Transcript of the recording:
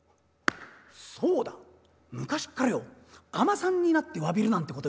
そうだ昔っからよ尼さんになってわびるなんてこと言うだろ？